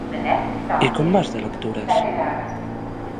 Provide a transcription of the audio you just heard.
I com vas de lectures?